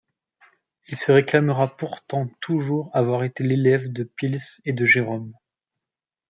Il se réclamera pourtant toujours avoir été l'élève de Pils et de Gérôme.